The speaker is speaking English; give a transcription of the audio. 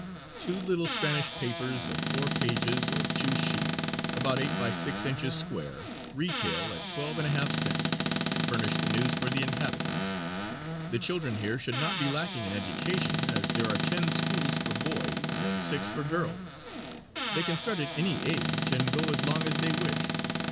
Two little Spanish papers of four pages, or two sheets, about 8x6 inches square, retail at twelve and a half cents and furnish the news for the inhabitants. The children here should not be lacking in education, as there are ten schools for boys and six for girls; they can start at any age, and go as long as they wish.